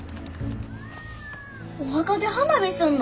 お墓で花火すんの？